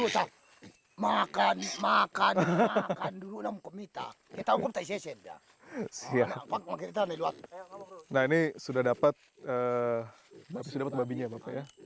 sudah dapat babinya